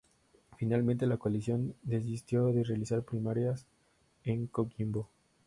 Finalmente, la coalición desistió de realizar primarias en Coquimbo.